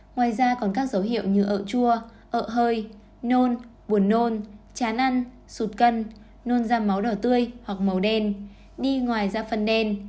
ngoài ra còn các dấu hiệu như ợ chua ợ hơi nôn buồn nôn chán ăn sụt cân nôn ra máu đỏ tươi hoặc màu đen đi ngoài ra phân đen